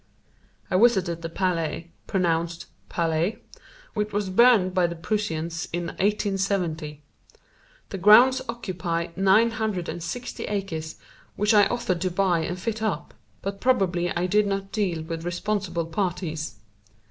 I visited the palais (pronounced pallay), which was burned by the Prussians in 1870. The grounds occupy 960 acres, which I offered to buy and fit up, but probably I did not deal with responsible parties.